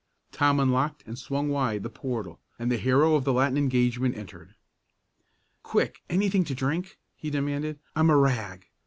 Tom unlocked and swung wide the portal, and the hero of the Latin engagement entered. "Quick anything to drink?" he demanded. "I'm a rag!